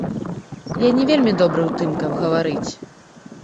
Я не вельмі добры ў тым, каб гаварыць.